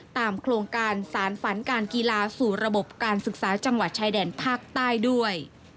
โครงการสารฝันการกีฬาสู่ระบบการศึกษาจังหวัดชายแดนภาคใต้ด้วย